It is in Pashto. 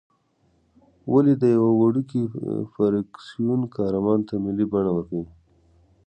ولې د یوه وړوکي فرکسیون قهرمان ته ملي بڼه ورکوې.